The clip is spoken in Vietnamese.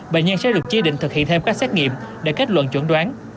bệnh nhân sẽ được chế định thực hiện thêm các xét nghiệm để kết luận chuẩn đoán